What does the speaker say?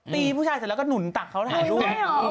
ตีผู้ชายเสร็จแล้วก็หนุนตักเขาถ่ายรูป